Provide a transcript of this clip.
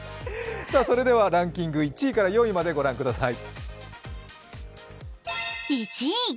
ランキング１位から４位まで御覧ください。